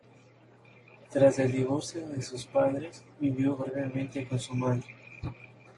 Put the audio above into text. Tras el divorcio de sus padres, vivió brevemente con su madre.